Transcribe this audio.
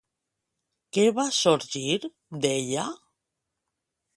Què va sorgir d'ella?